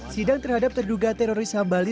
sidang terhadap terduga teroris hambali